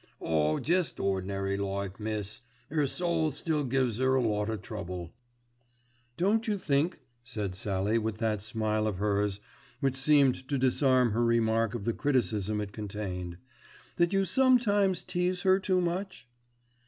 "Oh jest ordinary like, miss. 'Er soul still gives 'er a lot o' trouble." "Don't you think," said Sallie with that smile of hers which seemed to disarm her remark of the criticism it contained, "that you sometimes tease her too much?"